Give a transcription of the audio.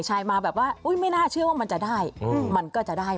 ใช่มาแบบว่าไม่น่าเชื่อว่ามันจะได้